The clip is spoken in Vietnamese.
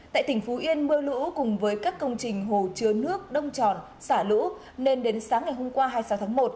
tại tỉnh phú yên mưa lũ cùng với các công trình hồ chứa nước đông tròn xả lũ nên đến sáng ngày hôm qua hai mươi sáu tháng một